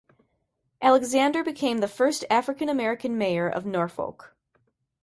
Alexander became the first African American mayor of Norfolk.